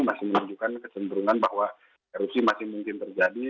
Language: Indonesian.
masih menunjukkan kecenderungan bahwa erupsi masih mungkin terjadi